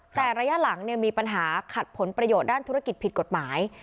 แต่ระยะหลังมีปัญหาขัดผลประโยชน์ด้านธุรกิจผิดกฎหมาย